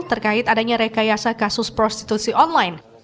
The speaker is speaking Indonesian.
terkait adanya rekayasa kasus prostitusi online